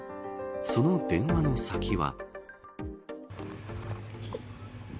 その電話の先は。